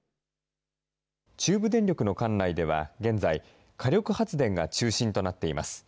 中部電力の管内では、現在、火力発電が中心となっています。